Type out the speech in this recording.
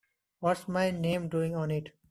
What's my name doing on it?